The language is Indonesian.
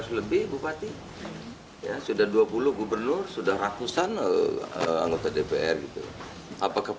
selain itu tak federasi bisa mengungkap wawancara faukanut menjadi pakar jp